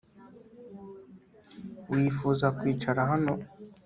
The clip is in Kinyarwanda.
Wifuza kwicara hano